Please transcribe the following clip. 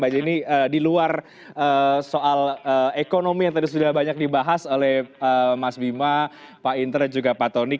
pak jenny di luar soal ekonomi yang tadi sudah banyak dibahas oleh mas bima pak indra juga pak tony